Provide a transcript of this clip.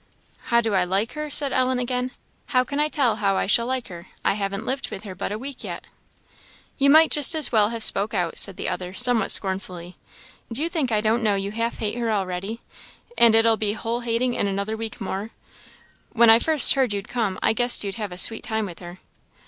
"How do I like her?" said Ellen, again "how can I tell how I shall like her? I haven't lived with her but a week yet." "You might just as well ha' spoke out," said the other, somewhat scornfully; "do you think I don't know you half hate her already? and it'll be whole hating in another week more. When I first heard you'd come, I guessed you'd have a sweet time with her."